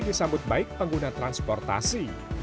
disambut baik pengguna transportasi